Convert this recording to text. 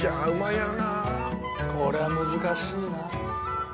これは難しいな。